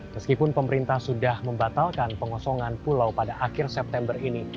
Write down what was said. meskipun pemerintah sudah membatalkan pengosongan pulau pada akhir september ini